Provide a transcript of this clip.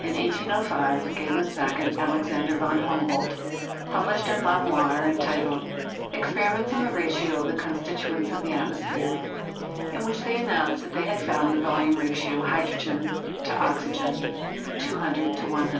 In 1805, Gay Lussac and Alexander von Humboldt pub lished a memoir entitled "Experiments on the Ratio of the Constituents of the Atmosphere," in which they announced that they had found the volume ratio, hydrogen : oxygen :: 200: 100.